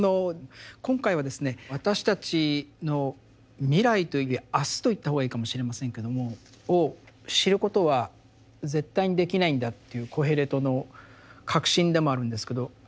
今回はですね私たちの未来というよりは「明日」と言った方がいいかもしれませんけどもを知ることは絶対にできないんだっていうコヘレトの確信でもあるんですけど。